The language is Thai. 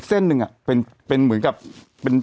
แต่หนูจะเอากับน้องเขามาแต่ว่า